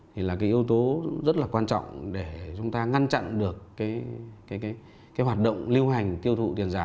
thì là cái yếu tố rất là quan trọng để chúng ta ngăn chặn được cái hoạt động lưu hành tiêu thụ tiền giả